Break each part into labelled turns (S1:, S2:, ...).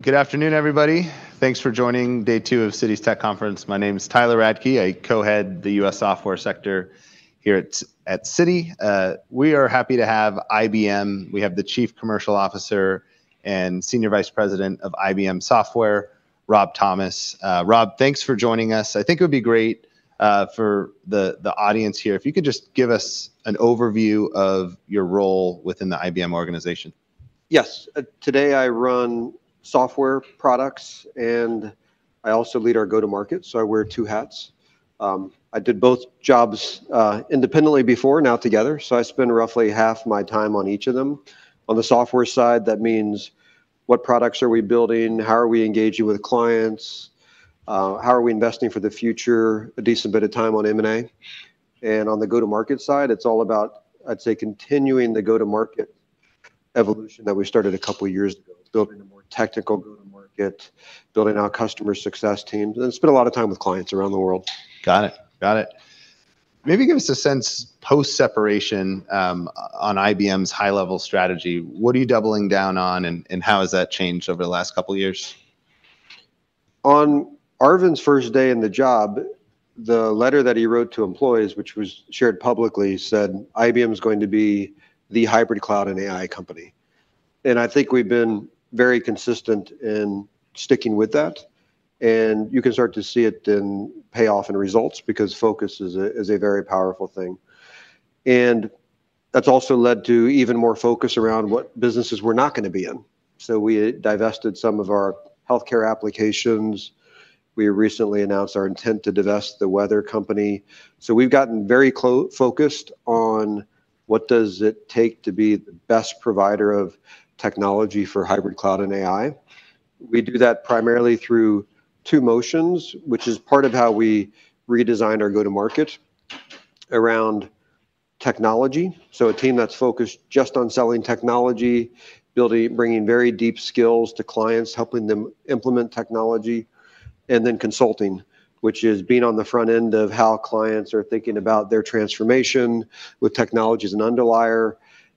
S1: Good afternoon, everybody. Thanks for joining day two of Citi's Tech Conference. My name is Tyler Radke. I co-head the U.S. Software Sector here at Citi. We are happy to have IBM. We have the Chief Commercial Officer and Senior Vice President of IBM Software, Rob Thomas. Rob, thanks for joining us. I think it would be great for the audience here, if you could just give us an overview of your role within the IBM organization.
S2: Yes, today I run software products, and I also lead our go-to-market, so I wear two hats. I did both jobs independently before, now together, so I spend roughly half my time on each of them. On the software side, that means: what products are we building? How are we engaging with clients? How are we investing for the future? A decent bit of time on M&A. And on the go-to-market side, it's all about, I'd say, continuing the go-to-market evolution that we started a couple of years ago, building a more technical go-to-market, building our customer success teams, and I spend a lot of time with clients around the world.
S1: Got it. Got it. Maybe give us a sense, post-separation, on IBM's high-level strategy. What are you doubling down on, and, and how has that changed over the last couple of years?
S2: On Arvind's first day in the job, the letter that he wrote to employees, which was shared publicly, said IBM is going to be the hybrid cloud and AI company. I think we've been very consistent in sticking with that, and you can start to see it in payoff and results because focus is a very powerful thing. That's also led to even more focus around what businesses we're not going to be in. So we divested some of our healthcare applications. We recently announced our intent to divest The Weather Company. So we've gotten very closely focused on what does it take to be the best provider of technology for hybrid cloud and AI. We do that primarily through two motions, which is part of how we redesigned our go-to-market around technology, so a team that's focused just on selling technology, building, bringing very deep skills to clients, helping them implement technology, and then consulting, which is being on the front end of how clients are thinking about their transformation with technology as an underlier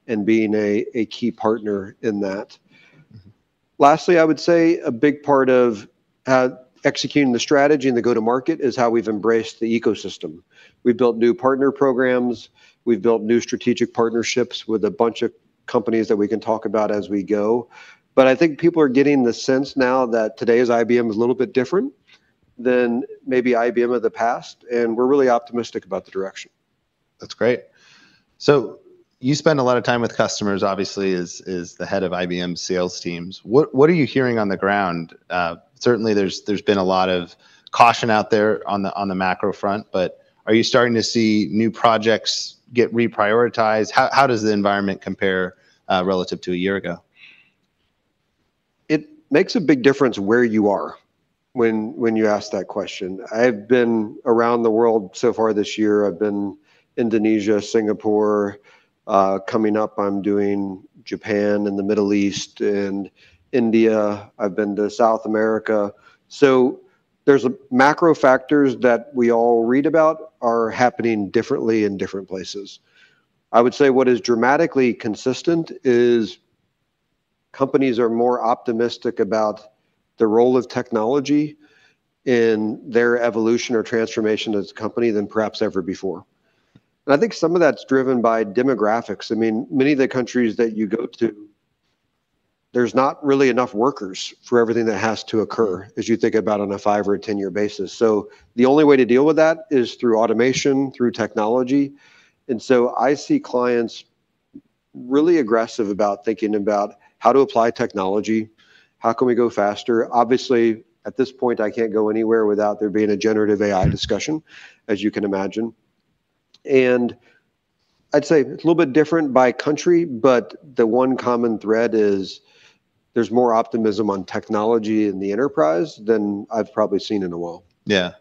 S2: and being a key partner in that. Lastly, I would say a big part of executing the strategy and the go-to-market is how we've embraced the ecosystem. We've built new partner programs, we've built new strategic partnerships with a bunch of companies that we can talk about as we go. But I think people are getting the sense now that today's IBM is a little bit different than maybe IBM of the past, and we're really optimistic about the direction.
S1: That's great. So you spend a lot of time with customers, obviously, as, as the head of IBM sales teams. What, what are you hearing on the ground? Certainly, there's, there's been a lot of caution out there on the, on the macro front, but are you starting to see new projects get reprioritized? How, how does the environment compare, relative to a year ago?
S2: It makes a big difference where you are when you ask that question. I've been around the world so far this year. I've been Indonesia, Singapore, coming up, I'm doing Japan and the Middle East and India. I've been to South America. So there are macro factors that we all read about are happening differently in different places. I would say what is dramatically consistent is companies are more optimistic about the role of technology in their evolution or transformation as a company than perhaps ever before. And I think some of that's driven by demographics. I mean, many of the countries that you go to, there's not really enough workers for everything that has to occur as you think about on a 5- or 10-year basis. So the only way to deal with that is through automation, through technology. And so I see clients really aggressive about thinking about how to apply technology, how can we go faster? Obviously, at this point, I can't go anywhere without there being a generative AI discussion, as you can imagine. I'd say it's a little bit different by country, but the one common thread is there's more optimism on technology in the enterprise than I've probably seen in a while.
S1: Yeah.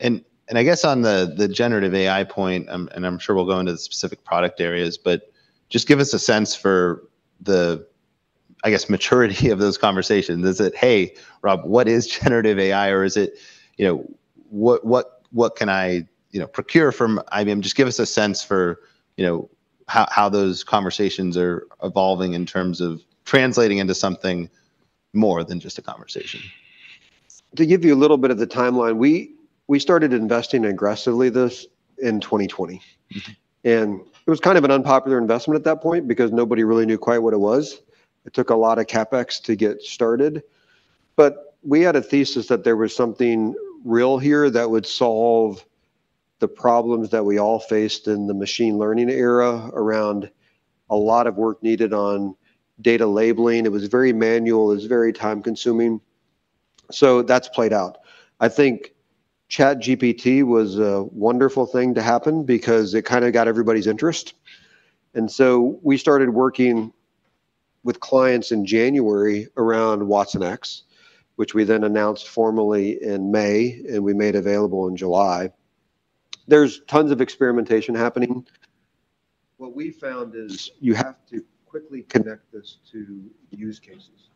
S1: I guess on the generative AI point, and I'm sure we'll go into the specific product areas, but just give us a sense for the, I guess, maturity of those conversations. Is it, "Hey, Rob, what is generative AI?" Or is it, you know, "What can I, you know, procure from IBM?" Just give us a sense for, you know, how those conversations are evolving in terms of translating into something more than just a conversation.
S2: To give you a little bit of the timeline, we started investing aggressively this in 2020, and it was kind of an unpopular investment at that point because nobody really knew quite what it was. It took a lot of CapEx to get started, but we had a thesis that there was something real here that would solve the problems that we all faced in the machine learning era around a lot of work needed on data labeling. It was very manual, it was very time-consuming, so that's played out. I think ChatGPT was a wonderful thing to happen because it kind of got everybody's interest. And so we started working with clients in January around watsonx, which we then announced formally in May, and we made available in July. There's tons of experimentation happening. What we found is you have to quickly connect this to use cases.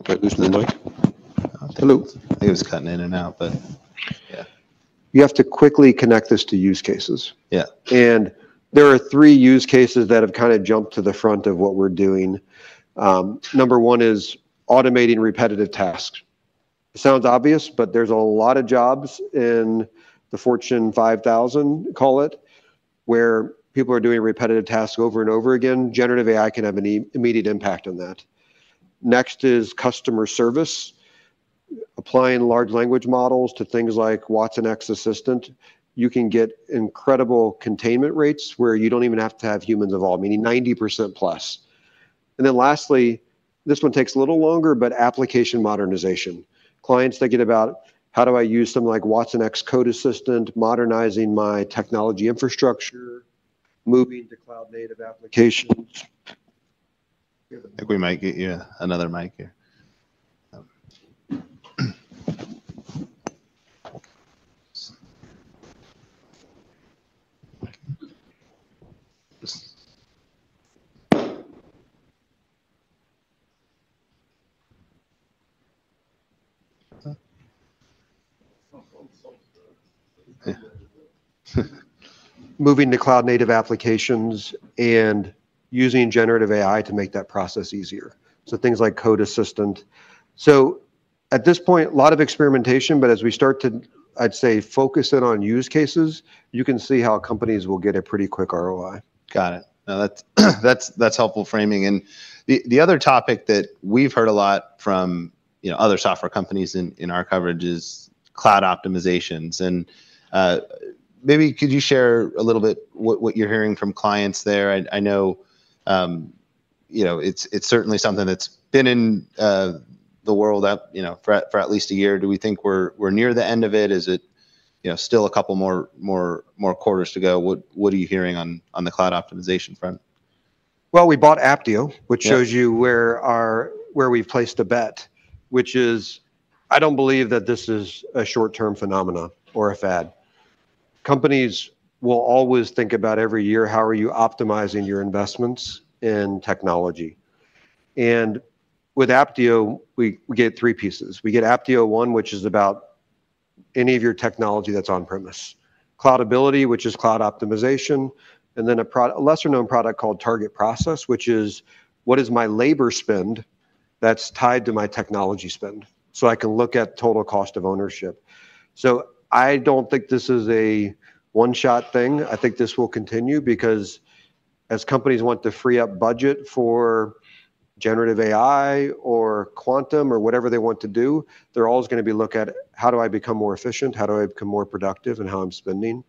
S1: Okay, losing the noise? Hello. I think it's cutting in and out, but-...
S2: You have to quickly connect this to use cases.
S1: Yeah.
S2: There are three use cases that have kind of jumped to the front of what we're doing. Number one is automating repetitive tasks. It sounds obvious, but there's a lot of jobs in the Fortune 5000, call it, where people are doing repetitive tasks over and over again. Generative AI can have an immediate impact on that. Next is customer service. Applying large language models to things like watsonx Assistant, you can get incredible containment rates where you don't even have to have humans involved, meaning 90%+. Then lastly, this one takes a little longer, but application modernization. Clients thinking about, how do I use something like watsonx Code Assistant, modernizing my technology infrastructure, moving to cloud-native applications?
S1: I think we might get you another mic here.
S2: Moving to cloud-native applications and using generative AI to make that process easier, so things like Code Assistant. So at this point, a lot of experimentation, but as we start to, I'd say, focus in on use cases, you can see how companies will get a pretty quick ROI.
S1: Got it. Now, that's helpful framing. And the other topic that we've heard a lot from, you know, other software companies in our coverage is cloud optimizations. And maybe could you share a little bit what you're hearing from clients there? I know, you know, it's certainly something that's been in the world out, you know, for at least a year. Do we think we're near the end of it? Is it, you know, still a couple more quarters to go? What are you hearing on the cloud optimization front?
S2: Well, we bought Apptio-
S1: Yeah...
S2: which shows you where our, where we've placed a bet, which is, I don't believe that this is a short-term phenomenon or a fad. Companies will always think about every year, how are you optimizing your investments in technology? And with Apptio, we get three pieces. We get ApptioOne, which is about any of your technology that's on-premise, Cloudability, which is cloud optimization, and then a lesser-known product called Targetprocess, which is, what is my labor spend that's tied to my technology spend? So I can look at total cost of ownership. So I don't think this is a one-shot thing. I think this will continue because as companies want to free up budget for generative AI or quantum or whatever they want to do, they're always gonna be looking at, How do I become more efficient? How do I become more productive in how I'm spending?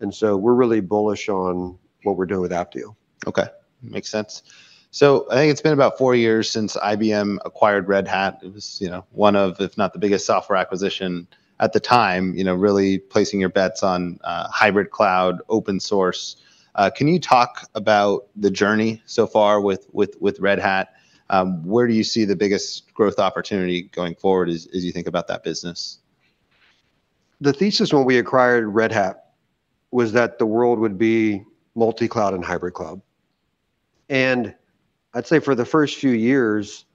S2: And so we're really bullish on what we're doing with Apptio.
S1: Okay, makes sense. So I think it's been about four years since IBM acquired Red Hat. It was, you know, one of, if not the biggest, software acquisition at the time, you know, really placing your bets on hybrid cloud, open source. Can you talk about the journey so far with Red Hat? Where do you see the biggest growth opportunity going forward as you think about that business?
S2: The thesis when we acquired Red Hat was that the world would be multi-cloud and hybrid cloud. I'd say for the first few years,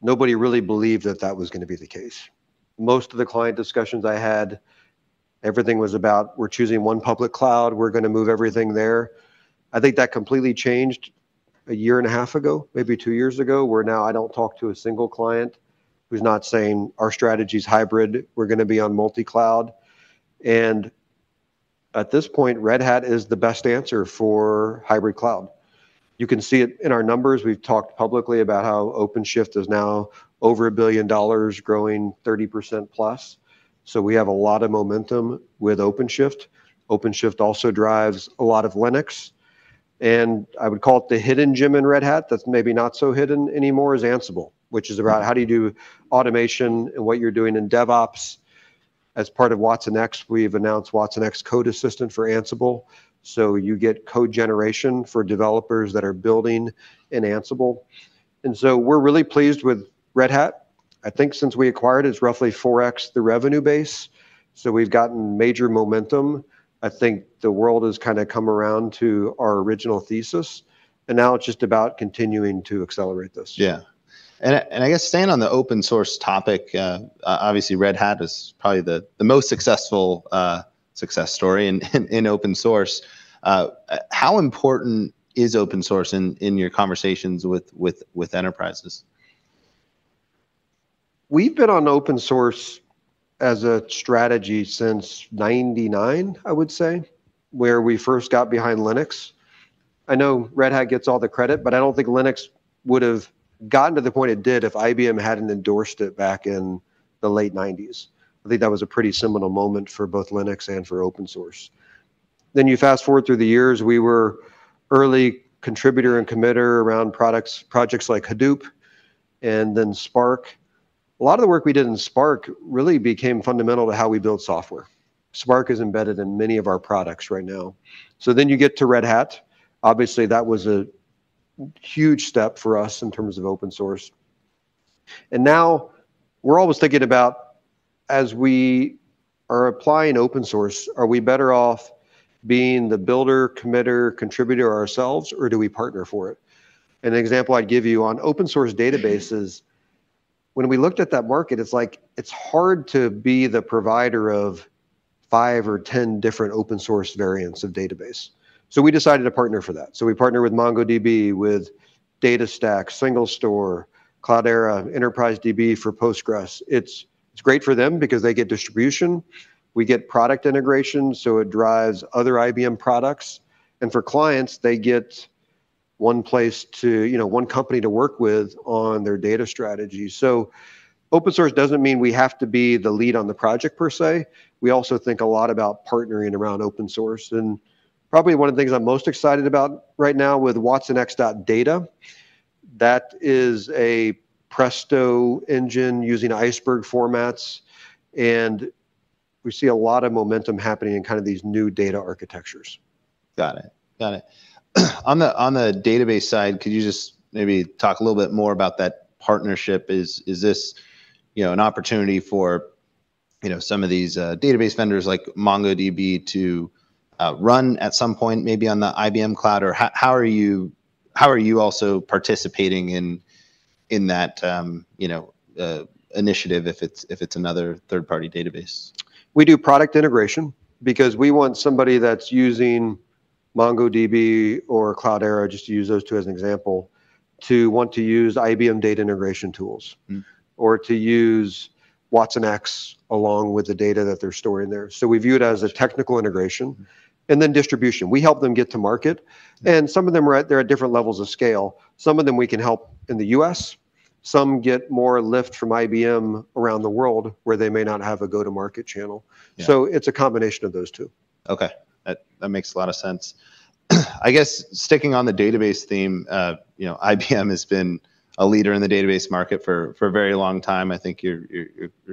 S2: nobody really believed that that was gonna be the case. Most of the client discussions I had, everything was about: We're choosing one public cloud, we're gonna move everything there. I think that completely changed a year and a half ago, maybe two years ago, where now I don't talk to a single client who's not saying, "Our strategy's hybrid, we're gonna be on multi-cloud." At this point, Red Hat is the best answer for hybrid cloud. You can see it in our numbers. We've talked publicly about how OpenShift is now over $1 billion, growing 30%+, so we have a lot of momentum with OpenShift. OpenShift also drives a lot of Linux. I would call it the hidden gem in Red Hat, that's maybe not so hidden anymore, is Ansible, which is about how do you do automation and what you're doing in DevOps. As part of watsonx, we've announced watsonx Code Assistant for Ansible, so you get code generation for developers that are building in Ansible. And so we're really pleased with Red Hat. I think since we acquired, it's roughly 4x the revenue base, so we've gotten major momentum. I think the world has kind of come around to our original thesis, and now it's just about continuing to accelerate this.
S1: Yeah. And I guess staying on the open source topic, obviously, Red Hat is probably the most successful success story in open source. How important is open source in your conversations with enterprises?
S2: We've been on open source as a strategy since 1999, I would say, where we first got behind Linux. I know Red Hat gets all the credit, but I don't think Linux would have gotten to the point it did if IBM hadn't endorsed it back in the late 1990s. I think that was a pretty seminal moment for both Linux and for open source. Then you fast-forward through the years, we were early contributor and committer around products, projects like Hadoop and then Spark. A lot of the work we did in Spark really became fundamental to how we build software. Spark is embedded in many of our products right now. So then you get to Red Hat. Obviously, that was a huge step for us in terms of open source. Now we're always thinking about, as we are applying open source, are we better off being the builder, committer, contributor ourselves, or do we partner for it? An example I'd give you, on open-source databases, when we looked at that market, it's like, it's hard to be the provider of five or 10 different open source variants of database. We decided to partner for that. We partner with MongoDB, with DataStax, SingleStore, Cloudera, EnterpriseDB for Postgres. It's, it's great for them because they get distribution, we get product integration, so it drives other IBM products, and for clients, they get one place to, you know, one company to work with on their data strategy. Open source doesn't mean we have to be the lead on the project, per se. We also think a lot about partnering around open source. Probably one of the things I'm most excited about right now with watsonx.data, that is a Presto engine using Iceberg formats, and we see a lot of momentum happening in kind of these new data architectures.
S1: Got it. Got it. On the database side, could you just maybe talk a little bit more about that partnership? Is this, you know, an opportunity for, you know, some of these database vendors like MongoDB to run at some point maybe on the IBM cloud? Or how are you also participating in that, you know, initiative, if it's another third-party database?
S2: We do product integration, because we want somebody that's using MongoDB or Cloudera, just to use those two as an example, to want to use IBM data integration tools.
S1: Mm...
S2: or to use watsonx along with the data that they're storing there. So we view it as a technical integration-
S1: Mm...
S2: and then distribution. We help them get to market, and some of them are at, they're at different levels of scale. Some of them we can help in the U.S., some get more lift from IBM around the world, where they may not have a go-to-market channel.
S1: Yeah.
S2: It's a combination of those two.
S1: Okay, that makes a lot of sense. I guess sticking on the database theme, you know, IBM has been a leader in the database market for a very long time. I think your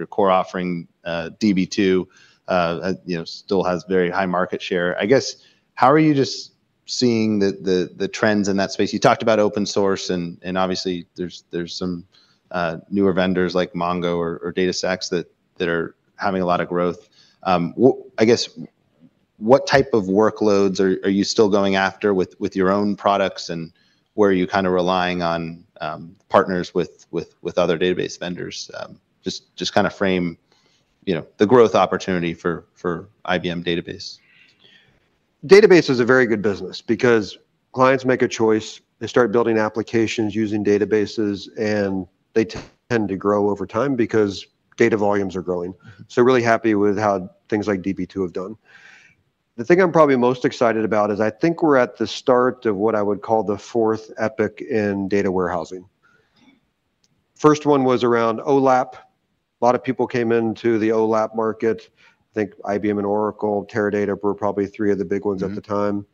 S1: core offering, Db2, you know, still has very high market share. I guess, how are you just seeing the trends in that space? You talked about open source, and obviously, there's some newer vendors like Mongo or DataStax, that are having a lot of growth. I guess, what type of workloads are you still going after with your own products, and where are you kind of relying on partners with other database vendors? Just kind of frame, you know, the growth opportunity for IBM database.
S2: Database is a very good business, because clients make a choice, they start building applications using databases, and they tend to grow over time because data volumes are growing. So we're really happy with how things like Db2 have done. The thing I'm probably most excited about is I think we're at the start of what I would call the fourth epoch in data warehousing. First one was around OLAP. A lot of people came into the OLAP market. I think IBM and Oracle, Teradata were probably three of the big ones at the time.
S1: Mm.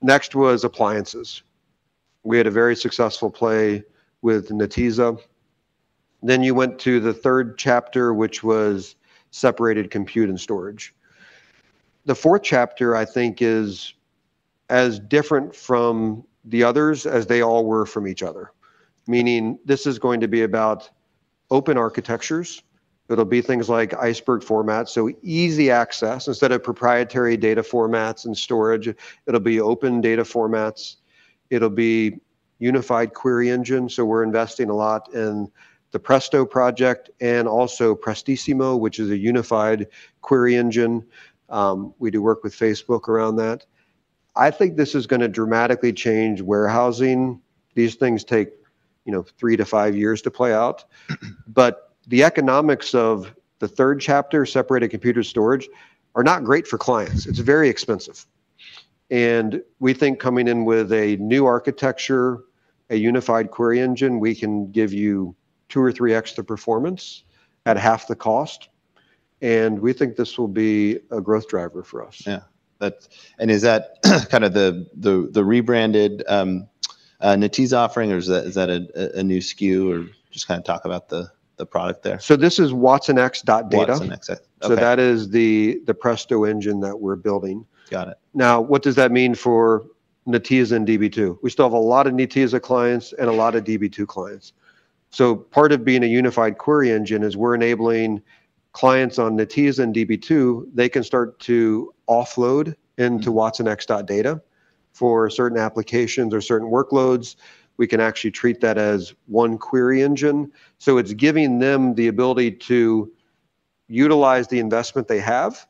S2: Next was appliances. We had a very successful play with Netezza. Then you went to the third chapter, which was separated compute and storage. The fourth chapter, I think, is as different from the others as they all were from each other, meaning this is going to be about open architectures. It'll be things like Iceberg format, so easy access. Instead of proprietary data formats and storage, it'll be open data formats, it'll be unified query engine. So we're investing a lot in the Presto project and also Prestissimo, which is a unified query engine. We do work with Facebook around that. I think this is going to dramatically change warehousing. These things take, you know, three to five years to play out. But the economics of the third chapter, separated computer storage, are not great for clients. It's very expensive. We think coming in with a new architecture, a unified query engine, we can give you 2 or 3 extra performance at half the cost, and we think this will be a growth driver for us.
S1: Yeah. That... And is that kind of the rebranded Netezza offering, or is that a new SKU? Or just kind of talk about the product there?
S2: So this is watsonx.data.
S1: watsonx. Okay.
S2: So that is the Presto engine that we're building.
S1: Got it.
S2: Now, what does that mean for Netezza and Db2? We still have a lot of Netezza clients and a lot of Db2 clients. So part of being a unified query engine is we're enabling clients on Netezza and Db2, they can start to offload into-
S1: Mm...
S2: watsonx.data. For certain applications or certain workloads, we can actually treat that as one query engine. So it's giving them the ability to utilize the investment they have,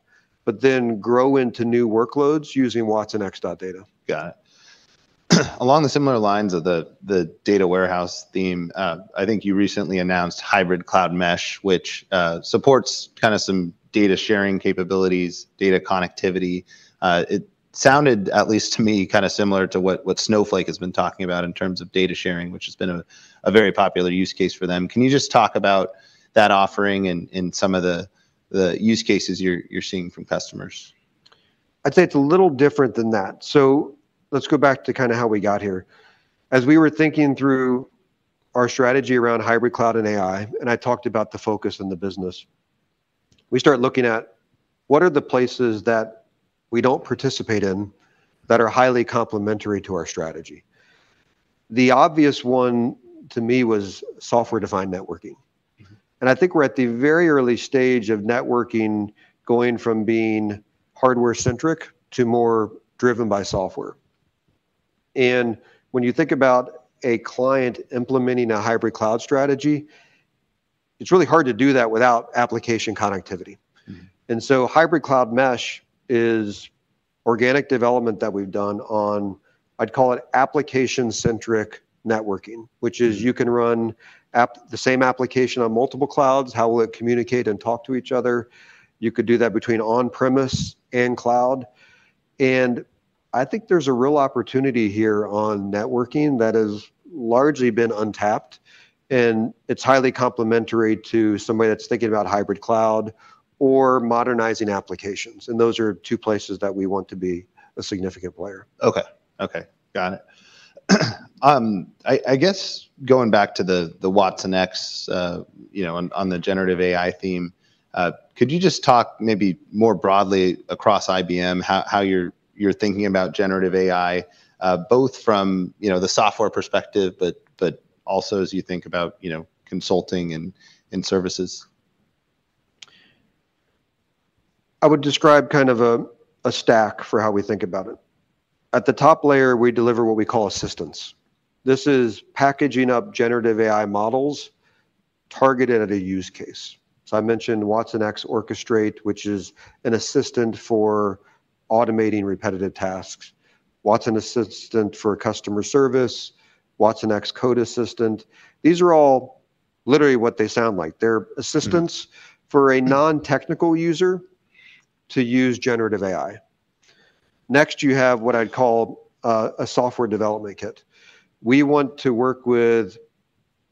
S2: but then grow into new workloads using watsonx.data.
S1: Got it. Along similar lines of the data warehouse theme, I think you recently announced hybrid cloud Mesh, which supports kind of some data sharing capabilities, data connectivity. It sounded, at least to me, kind of similar to what Snowflake has been talking about in terms of data sharing, which has been a very popular use case for them. Can you just talk about that offering and some of the use cases you're seeing from customers?
S2: I'd say it's a little different than that. So let's go back to kind of how we got here. As we were thinking through our strategy around hybrid cloud and AI, and I talked about the focus on the business, we started looking at, what are the places that we don't participate in that are highly complementary to our strategy? The obvious one, to me, was software-defined networking.
S1: Mm-hmm.
S2: I think we're at the very early stage of networking, going from being hardware-centric to more driven by software. And when you think about a client implementing a hybrid cloud strategy, it's really hard to do that without application connectivity.
S1: Mm-hmm.
S2: And so hybrid cloud Mesh is organic development that we've done on, I'd call it application-centric networking-
S1: Mm.
S2: which is you can run the same application on multiple clouds. How will it communicate and talk to each other? You could do that between on-premises and cloud, and I think there's a real opportunity here on networking that has largely been untapped, and it's highly complementary to somebody that's thinking about hybrid cloud or modernizing applications, and those are two places that we want to be a significant player.
S1: Okay. Okay, got it. I guess going back to the watsonx, you know, on the generative AI theme, could you just talk maybe more broadly across IBM, how you're thinking about generative AI, both from, you know, the software perspective, but also as you think about, you know, consulting and services?
S2: I would describe kind of a, a stack for how we think about it. At the top layer, we deliver what we call assistance. This is packaging up generative AI models targeted at a use case. So I mentioned watsonx Orchestrate, which is an assistant for automating repetitive tasks, watsonx Assistant for customer service, watsonx Code Assistant. These are all literally what they sound like. They're assistants-
S1: Mm...
S2: for a non-technical user to use generative AI. Next, you have what I'd call a software development kit. We want to work with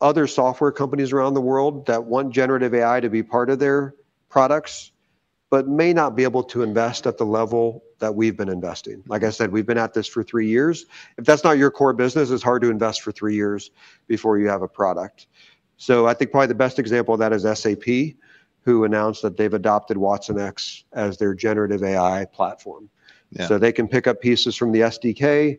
S2: other software companies around the world that want generative AI to be part of their products, but may not be able to invest at the level that we've been investing. Like I said, we've been at this for three years. If that's not your core business, it's hard to invest for three years before you have a product. So I think probably the best example of that is SAP, who announced that they've adopted watsonx as their generative AI platform.
S1: Yeah.
S2: They can pick up pieces from the SDK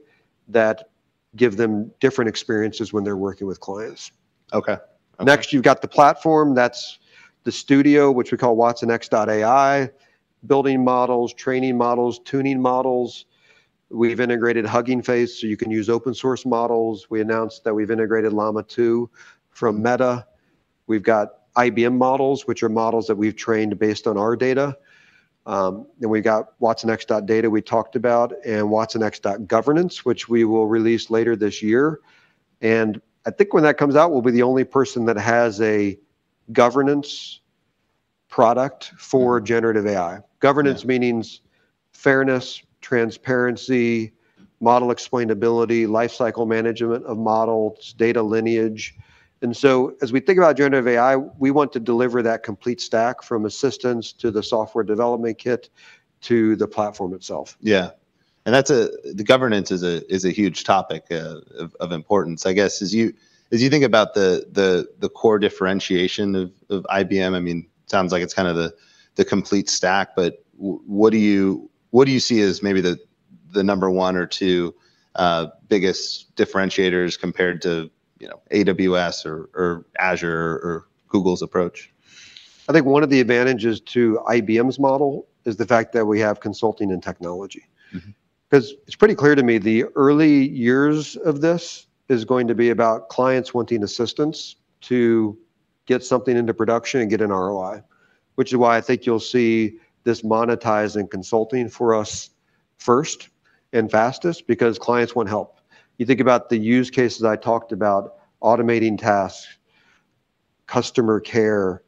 S2: that give them different experiences when they're working with clients.
S1: Okay.
S2: Next, you've got the platform, that's the studio, which we call watsonx.ai, building models, training models, tuning models. We've integrated Hugging Face, so you can use open-source models. We announced that we've integrated Llama 2 from Meta. We've got IBM models, which are models that we've trained based on our data. Then we've got watsonx.data we talked about, and watsonx.governance, which we will release later this year. I think when that comes out, we'll be the only person that has a governance product for generative AI.
S1: Yeah.
S2: Governance means fairness, transparency, model explainability, lifecycle management of models, data lineage. So as we think about generative AI, we want to deliver that complete stack, from assistance to the software development kit, to the platform itself.
S1: Yeah. And that's a... The governance is a huge topic of importance. I guess, as you think about the core differentiation of IBM, I mean, sounds like it's kind of the complete stack, but what do you see as maybe the number one or two biggest differentiators compared to, you know, AWS or Azure or Google's approach?
S2: I think one of the advantages to IBM's model is the fact that we have consulting and technology.
S1: Mm-hmm.
S2: 'Cause it's pretty clear to me, the early years of this is going to be about clients wanting assistance to get something into production and get an ROI, which is why I think you'll see this monetized and consulting for us first and fastest, because clients want help. You think about the use cases I talked about, automating tasks, customer care,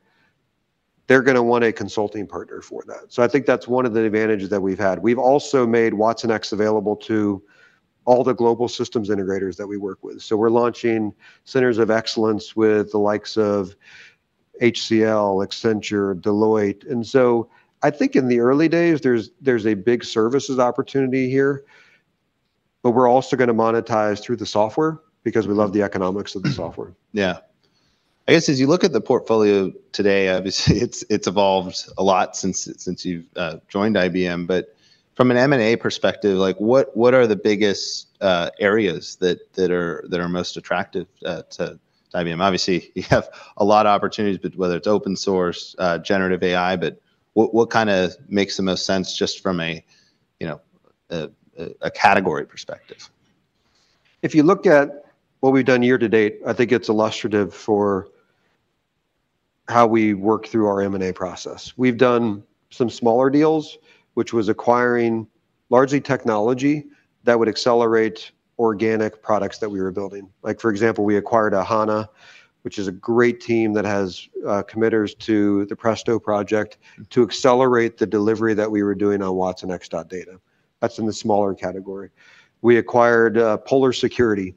S2: they're gonna want a consulting partner for that. So I think that's one of the advantages that we've had. We've also made watsonx available to all the global systems integrators that we work with. So we're launching centers of excellence with the likes of HCL, Accenture, Deloitte. And so I think in the early days there's a big services opportunity here, but we're also gonna monetize through the software because we love the economics of the software.
S1: Yeah. I guess, as you look at the portfolio today, obviously, it's evolved a lot since you've joined IBM, but from an M&A perspective, like, what are the biggest areas that are most attractive to IBM? Obviously, you have a lot of opportunities, but whether it's open source, generative AI, but what kind of makes the most sense just from a, you know, category perspective?
S2: If you look at what we've done year to date, I think it's illustrative for how we work through our M&A process. We've done some smaller deals, which was acquiring largely technology that would accelerate organic products that we were building. Like, for example, we acquired Ahana, which is a great team that has committers to the Presto project to accelerate the delivery that we were doing on watsonx.data. That's in the smaller category. We acquired Polar Security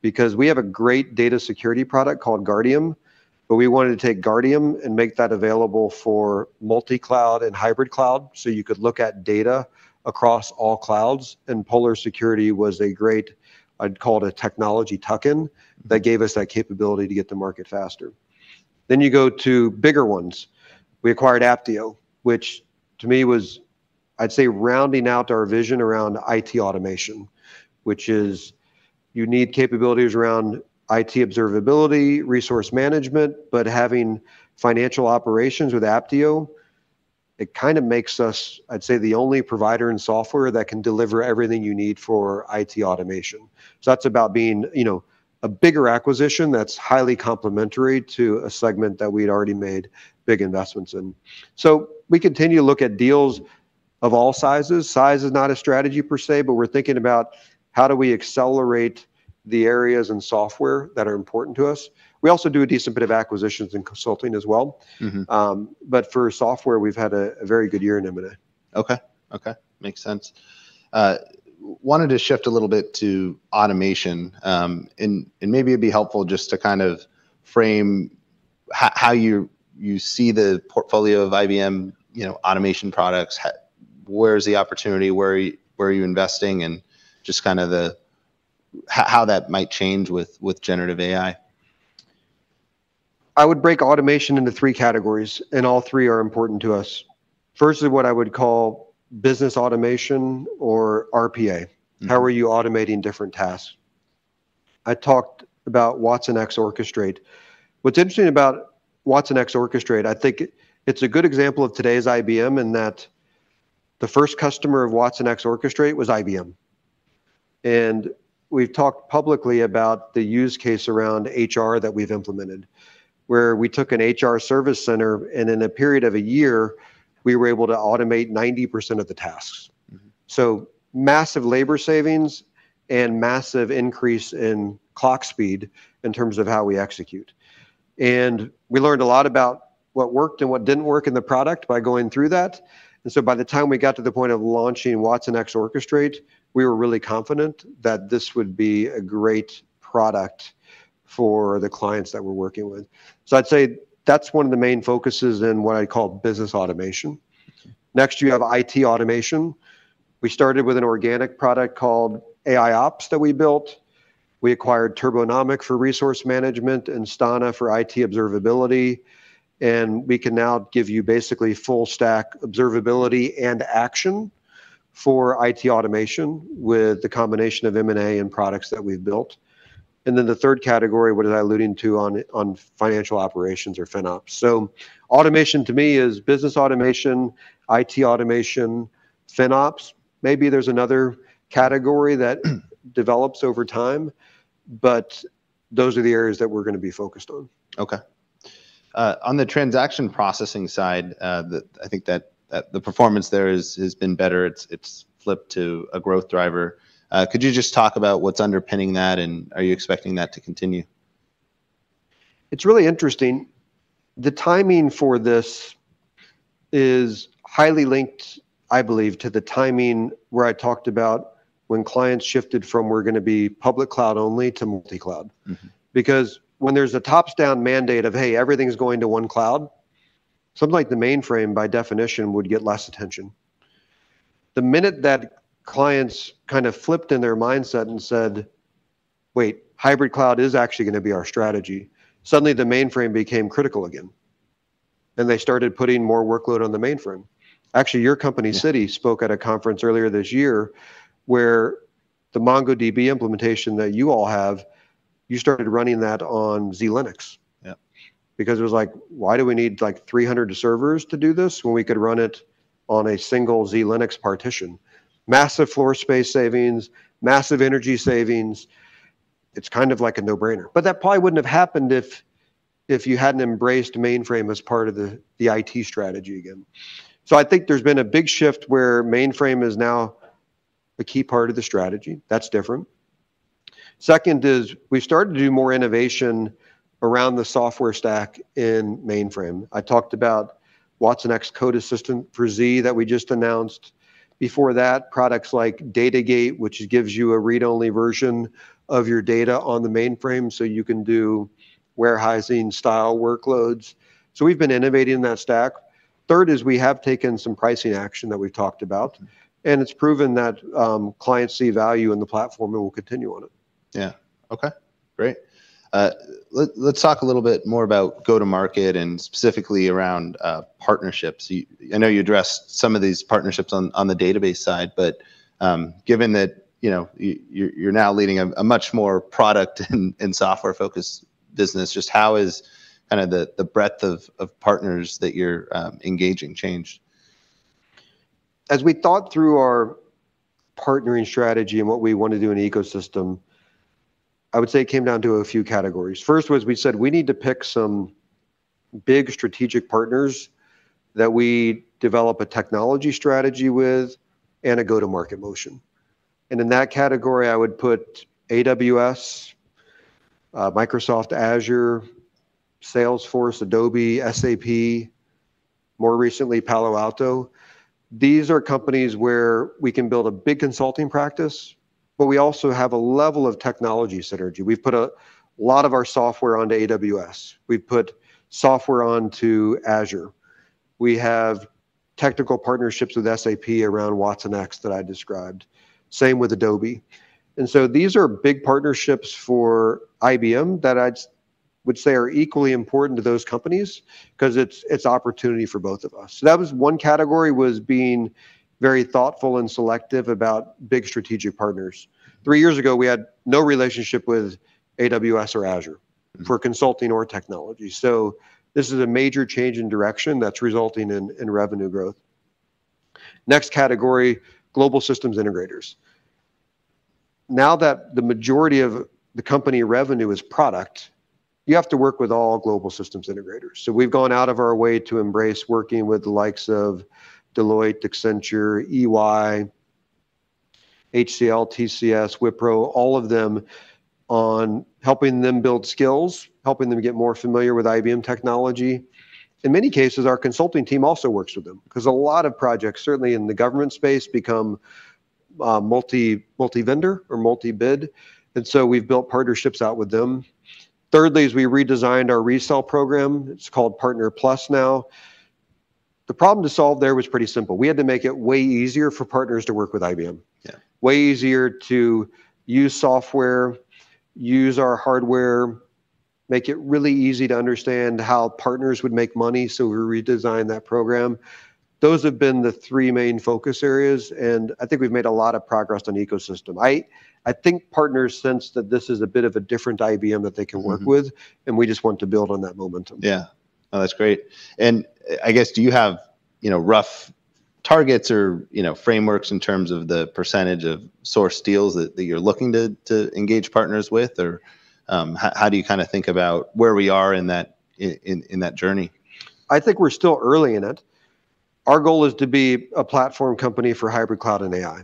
S2: because we have a great data security product called Guardium, but we wanted to take Guardium and make that available for multi-cloud and hybrid cloud, so you could look at data across all clouds, and Polar Security was a great, I'd call it a technology tuck-in-
S1: Mm...
S2: that gave us that capability to get to market faster. Then you go to bigger ones. We acquired Apptio, which to me was, I'd say, rounding out our vision around IT automation, which is you need capabilities around IT observability, resource management, but having financial operations with Apptio... It kind of makes us, I'd say, the only provider in software that can deliver everything you need for IT automation. So that's about being, you know, a bigger acquisition that's highly complementary to a segment that we'd already made big investments in. So we continue to look at deals of all sizes. Size is not a strategy per se, but we're thinking about how do we accelerate the areas in software that are important to us. We also do a decent bit of acquisitions and consulting as well.
S1: Mm-hmm.
S2: But for software, we've had a very good year in M&A.
S1: Okay. Okay, makes sense. Wanted to shift a little bit to automation, and maybe it'd be helpful just to kind of frame how you see the portfolio of IBM, you know, automation products. Where is the opportunity? Where are you investing? And just kind of how that might change with generative AI.
S2: I would break automation into three categories, and all three are important to us. Firstly, what I would call business automation or RPA.
S1: Mm-hmm.
S2: How are you automating different tasks? I talked about watsonx Orchestrate. What's interesting about watsonx Orchestrate, I think it's a good example of today's IBM, in that the first customer of watsonx Orchestrate was IBM. And we've talked publicly about the use case around HR that we've implemented, where we took an HR service center, and in a period of a year, we were able to automate 90% of the tasks.
S1: Mm-hmm.
S2: So massive labor savings and massive increase in clock speed in terms of how we execute. And we learned a lot about what worked and what didn't work in the product by going through that. And so by the time we got to the point of launching watsonx Orchestrate, we were really confident that this would be a great product for the clients that we're working with. So I'd say that's one of the main focuses in what I call business automation.
S1: Mm-hmm.
S2: Next, you have IT automation. We started with an organic product called AIOps that we built. We acquired Turbonomic for resource management and Instana for IT observability, and we can now give you basically full stack observability and action for IT automation with the combination of M&A and products that we've built. And then the third category, what I was alluding to on financial operations or FinOps. So automation, to me, is business automation, IT automation, FinOps. Maybe there's another category that develops over time, but those are the areas that we're gonna be focused on.
S1: Okay. On the transaction processing side, I think that the performance there is, has been better. It's flipped to a growth driver. Could you just talk about what's underpinning that, and are you expecting that to continue?
S2: It's really interesting. The timing for this is highly linked, I believe, to the timing where I talked about when clients shifted from, "We're gonna be public cloud only," to multi-cloud.
S1: Mm-hmm.
S2: Because when there's a top-down mandate of, "Hey, everything is going to one cloud," something like the mainframe, by definition, would get less attention. The minute that clients kind of flipped in their mindset and said, "Wait, hybrid cloud is actually gonna be our strategy," suddenly the mainframe became critical again, and they started putting more workload on the mainframe. Actually, your company-
S1: Yeah...
S2: Citi, spoke at a conference earlier this year, where the MongoDB implementation that you all have, you started running that on zLinux.
S1: Yeah.
S2: Because it was like: Why do we need, like, 300 servers to do this when we could run it on a single zLinux partition? Massive floor space savings, massive energy savings. It's kind of like a no-brainer. But that probably wouldn't have happened if, if you hadn't embraced mainframe as part of the, the IT strategy again. So I think there's been a big shift where mainframe is now a key part of the strategy. That's different. Second is, we've started to do more innovation around the software stack in mainframe. I talked about watsonx Code Assistant for Z that we just announced. Before that, products like Data Gate, which gives you a read-only version of your data on the mainframe, so you can do warehousing-style workloads. So we've been innovating in that stack. Third is, we have taken some pricing action that we've talked about, and it's proven that, clients see value in the platform and will continue on it.
S1: Yeah. Okay, great. Let's talk a little bit more about go-to-market and specifically around partnerships. You, I know you addressed some of these partnerships on the database side, but given that, you know, you're now leading a much more product and software-focused business, just how has kind of the breadth of partners that you're engaging changed?
S2: As we thought through our partnering strategy and what we want to do in the ecosystem, I would say it came down to a few categories. First was, we said: We need to pick some big strategic partners that we develop a technology strategy with and a go-to-market motion. And in that category, I would put AWS, Microsoft Azure, Salesforce, Adobe, SAP, more recently, Palo Alto. These are companies where we can build a big consulting practice, but we also have a level of technology synergy. We've put a lot of our software onto AWS. We've put software onto Azure. We have technical partnerships with SAP around watsonx that I described. Same with Adobe. And so these are big partnerships for IBM that I would say are equally important to those companies, 'cause it's, it's opportunity for both of us. So that was one category, was being very thoughtful and selective about big strategic partners. Three years ago, we had no relationship with AWS or Azure... for consulting or technology. So this is a major change in direction that's resulting in, in revenue growth. Next category, global systems integrators. Now that the majority of the company revenue is product, you have to work with all global systems integrators. So we've gone out of our way to embrace working with the likes of Deloitte, Accenture, EY, HCL, TCS, Wipro, all of them, on helping them build skills, helping them get more familiar with IBM technology. In many cases, our consulting team also works with them, 'cause a lot of projects, certainly in the government space, become multi-vendor or multi-bid, and so we've built partnerships out with them. Thirdly, is we redesigned our resell program. It's called Partner Plus now. The problem to solve there was pretty simple. We had to make it way easier for partners to work with IBM.
S1: Yeah.
S2: Way easier to use software, use our hardware, make it really easy to understand how partners would make money, so we redesigned that program. Those have been the three main focus areas, and I think we've made a lot of progress on ecosystem. I, I think partners sense that this is a bit of a different IBM that they can work with-
S1: Mm-hmm.
S2: and we just want to build on that momentum.
S1: Yeah. Oh, that's great. And I guess, do you have, you know, rough targets or, you know, frameworks in terms of the percentage of source deals that you're looking to engage partners with? Or, how do you kinda think about where we are in that journey?
S2: I think we're still early in it. Our goal is to be a platform company for hybrid cloud and AI.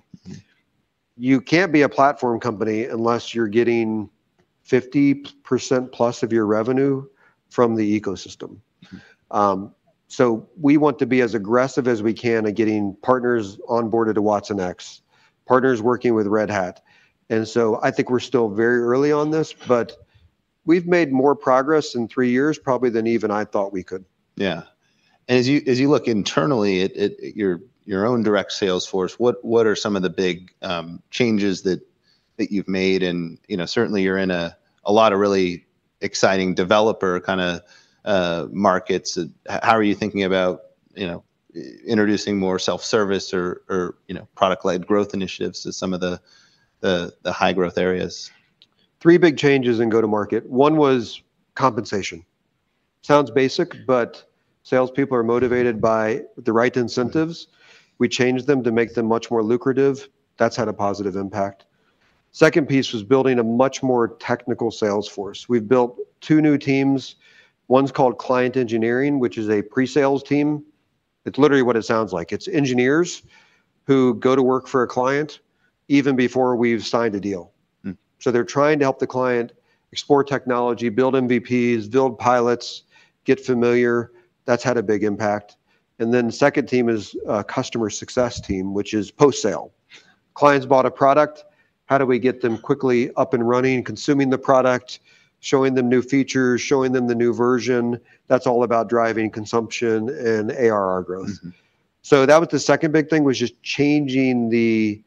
S2: You can't be a platform company unless you're getting 50%+ of your revenue from the ecosystem.
S1: Mm.
S2: We want to be as aggressive as we can at getting partners onboarded to watsonx, partners working with Red Hat, and so I think we're still very early on this, but we've made more progress in three years probably than even I thought we could.
S1: Yeah. And as you look internally at your own direct sales force, what are some of the big changes that you've made? And, you know, certainly you're in a lot of really exciting developer kinda markets. How are you thinking about, you know, introducing more self-service or, you know, product-led growth initiatives as some of the high-growth areas?
S2: Three big changes in go-to-market. One was compensation. Sounds basic, but salespeople are motivated by the right incentives.
S1: Mm.
S2: We changed them to make them much more lucrative. That's had a positive impact. Second piece was building a much more technical sales force. We've built two new teams. One's called Client Engineering, which is a pre-sales team. It's literally what it sounds like. It's engineers who go to work for a client even before we've signed a deal.
S1: Mm.
S2: So they're trying to help the client explore technology, build MVPs, build pilots, get familiar. That's had a big impact. And then the second team is a customer success team, which is post-sale. Client's bought a product, how do we get them quickly up and running, consuming the product, showing them new features, showing them the new version? That's all about driving consumption and ARR growth.
S1: Mm-hmm.
S2: So that was the second big thing, was just changing the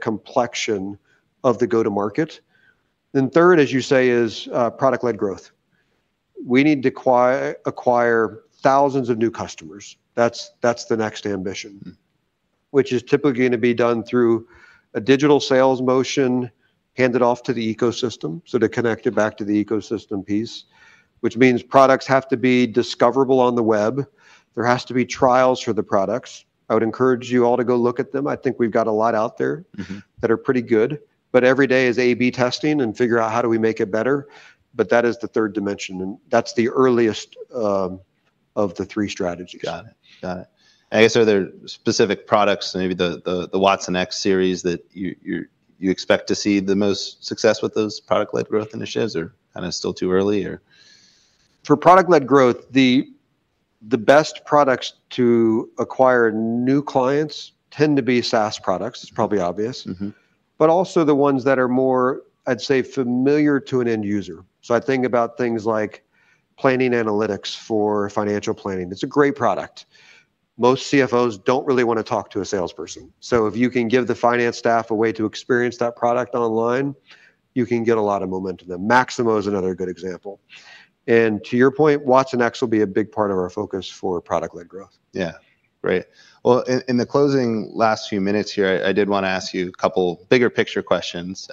S2: complexion of the go-to-market. Then third, as you say, is product-led growth. We need to acquire thousands of new customers. That's the next ambition-
S1: Mm...
S2: which is typically gonna be done through a digital sales motion, handed off to the ecosystem, so to connect it back to the ecosystem piece, which means products have to be discoverable on the web. There has to be trials for the products. I would encourage you all to go look at them. I think we've got a lot out there-
S1: Mm-hmm...
S2: that are pretty good, but every day is A/B testing and figure out, how do we make it better? But that is the third dimension, and that's the earliest, of the three strategies.
S1: Got it. Got it. I guess, are there specific products, maybe the watsonx series, that you expect to see the most success with those product-led growth initiatives, or are they still too early, or?
S2: For product-led growth, the best products to acquire new clients tend to be SaaS products. It's probably obvious.
S1: Mm-hmm.
S2: But also the ones that are more, I'd say, familiar to an end user. So I think about things like Planning Analytics for financial planning. It's a great product. Most CFOs don't really wanna talk to a salesperson. So if you can give the finance staff a way to experience that product online, you can get a lot of momentum. Maximo is another good example. And to your point, watsonx will be a big part of our focus for product-led growth.
S1: Yeah. Great. Well, in the closing last few minutes here, I did wanna ask you a couple bigger-picture questions.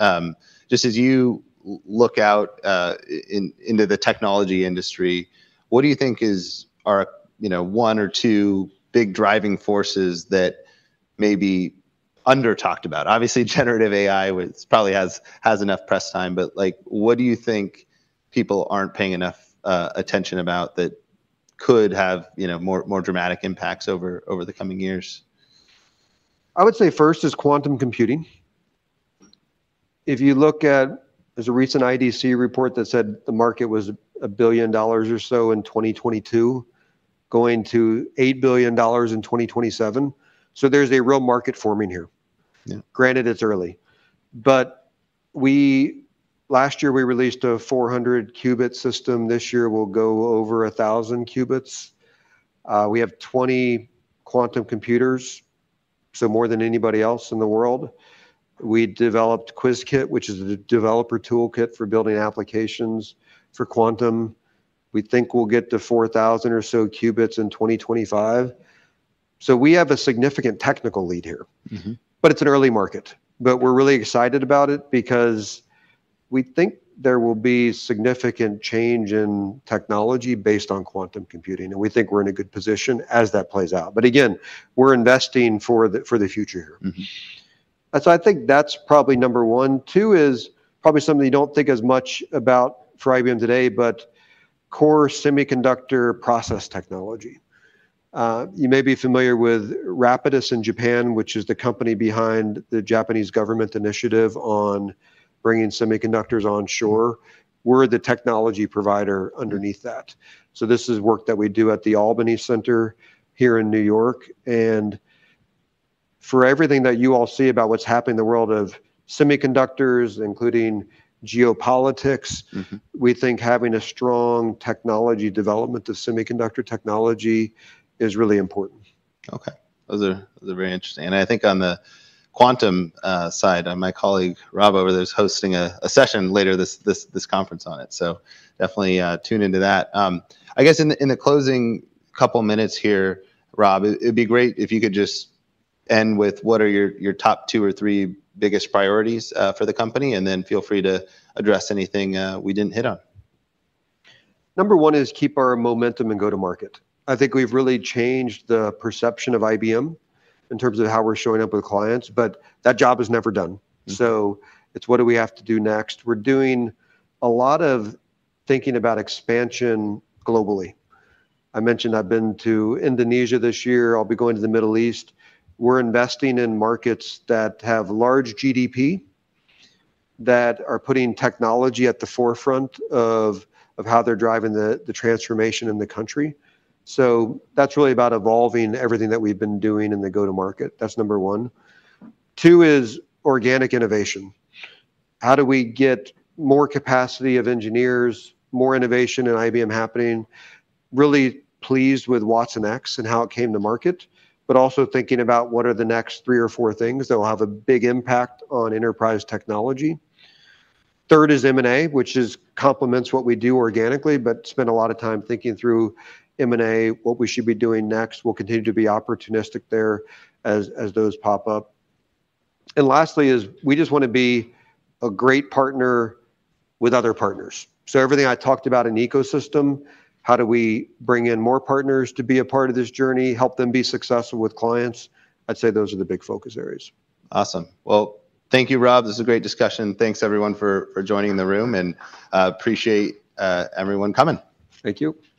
S1: Just as you look out into the technology industry, what do you think is our, you know, one or two big driving forces that may be under-talked about? Obviously, generative AI, which probably has enough press time, but, like, what do you think people aren't paying enough attention about, that could have, you know, more dramatic impacts over the coming years?
S2: I would say first is quantum computing. If you look at... There's a recent IDC report that said the market was $1 billion or so in 2022, going to $8 billion in 2027, so there's a real market forming here.
S1: Yeah.
S2: Granted, it's early. But we, last year we released a 400-qubit system. This year, we'll go over 1,000 qubits. We have 20 quantum computers, so more than anybody else in the world. We developed Qiskit, which is a developer toolkit for building applications for quantum. We think we'll get to 4,000 or so qubits in 2025. So we have a significant technical lead here.
S1: Mm-hmm.
S2: But it's an early market. But we're really excited about it, because we think there will be significant change in technology based on quantum computing, and we think we're in a good position as that plays out. But again, we're investing for the future here.
S1: Mm-hmm.
S2: And so I think that's probably number one. Two is probably something you don't think as much about for IBM today, but core semiconductor process technology. You may be familiar with Rapidus in Japan, which is the company behind the Japanese government initiative on bringing semiconductors onshore. We're the technology provider underneath that. So this is work that we do at the Albany Center here in New York. And for everything that you all see about what's happening in the world of semiconductors, including geopolitics-
S1: Mm-hmm...
S2: we think having a strong technology development of semiconductor technology is really important.
S1: Okay. Those are very interesting. And I think on the quantum side, my colleague Rob over there is hosting a session later this conference on it, so definitely tune into that. I guess in the closing couple minutes here, Rob, it'd be great if you could just end with what are your top two or three biggest priorities for the company, and then feel free to address anything we didn't hit on.
S2: Number one is keep our momentum and go to market. I think we've really changed the perception of IBM in terms of how we're showing up with clients, but that job is never done.
S1: Mm-hmm.
S2: So it's what do we have to do next? We're doing a lot of thinking about expansion globally. I mentioned I've been to Indonesia this year. I'll be going to the Middle East. We're investing in markets that have large GDP, that are putting technology at the forefront of, of how they're driving the, the transformation in the country. So that's really about evolving everything that we've been doing in the go-to-market. That's number one. Two is organic innovation. How do we get more capacity of engineers, more innovation in IBM happening? Really pleased with watsonx and how it came to market, but also thinking about what are the next three or four things that will have a big impact on enterprise technology. Third is M&A, which is complements what we do organically, but spend a lot of time thinking through M&A, what we should be doing next. We'll continue to be opportunistic there as, as those pop up. Lastly is we just want to be a great partner with other partners. Everything I talked about in ecosystem, how do we bring in more partners to be a part of this journey, help them be successful with clients? I'd say those are the big focus areas.
S1: Awesome. Well, thank you, Rob. This is a great discussion. Thanks, everyone, for joining in the room, and appreciate everyone coming.
S2: Thank you.
S1: Thank you.